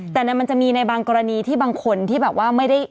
แต่มันจะมีในบางกรณีที่บางคนที่แบบว่าไม่ได้